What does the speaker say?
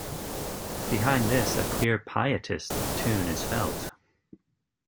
Behind this a clear pietist tune is felt.